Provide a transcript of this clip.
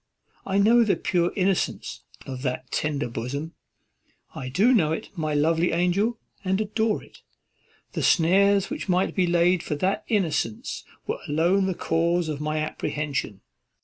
I know the pure innocence of that tender bosom, I do know it, my lovely angel, and adore it. The snares which might be laid for that innocence were alone the cause of my apprehension.